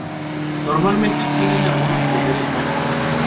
Normalmente tienen algunos poderes mágicos.